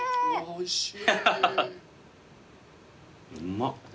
おいしい。